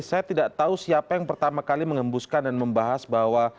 saya tidak tahu siapa yang pertama kali mengembuskan dan membahas bahwa